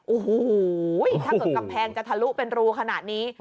โอ้โหถ้าเกิดกำแพงจะทะลุเป็นรูขนาดนี้